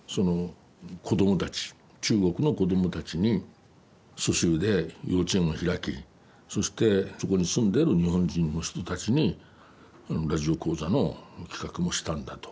「子どもたち中国の子どもたちに蘇州で幼稚園を開きそしてそこに住んでる日本人の人たちにラジオ講座の企画もしたんだ」と。